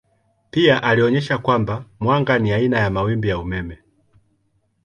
Pia alionyesha kwamba mwanga ni aina ya mawimbi ya umeme.